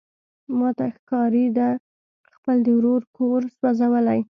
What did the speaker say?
ماته ښکاري ده خپله د ورور کور سوزولی.